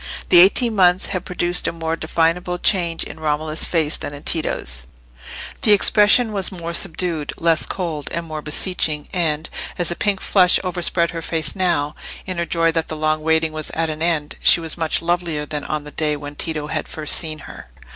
The eighteen months had produced a more definable change in Romola's face than in Tito's; the expression was more subdued, less cold, and more beseeching, and, as the pink flush overspread her face now, in her joy that the long waiting was at an end, she was much lovelier than on the day when Tito had first seen her.